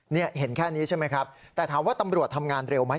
นี่เห็นแค่นี้ใช่ไหมครับแต่ถามว่าตำรวจทำงานเร็วไหม